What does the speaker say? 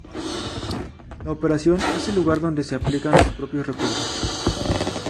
La Operación es el lugar donde se aplican los propios recursos.